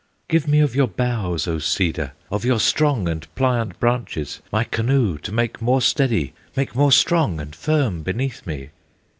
"Give me of your boughs, O Cedar! Of your strong and pliant branches, My canoe to make more steady, Make more strong and firm beneath me!"